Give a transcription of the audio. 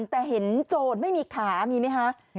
แต่เห็นโจรไม่มีขามีไหมคะ